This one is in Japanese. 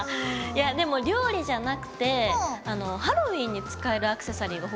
やでも料理じゃなくてあのハロウィーンに使えるアクセサリーが欲しいの。